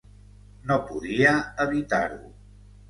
No podia evitar-ho.